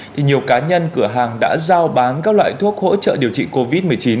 thì nhiều cá nhân cửa hàng đã giao bán các loại thuốc hỗ trợ điều trị covid một mươi chín